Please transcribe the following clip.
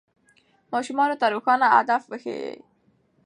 ماشومانو ته روښانه هدف وښیئ.